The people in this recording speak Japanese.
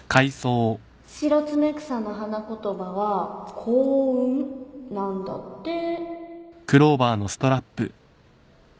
シロツメクサの花言葉は幸運なんだって何で？